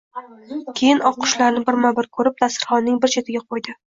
Keyin oqqushlarni birma-bir ko`rib, dasturxonning bir chetiga qo`ydi